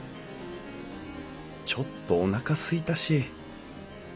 ちょっとおなかすいたし。